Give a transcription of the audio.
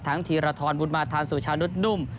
ทั้งทีรทรวุฒิมาธารสุชานุษย์นุ่ม